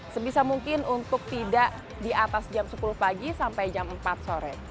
sebisa mungkin untuk tidak di atas jam sepuluh pagi sampai jam empat sore